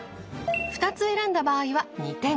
２つ選んだ場合は２点。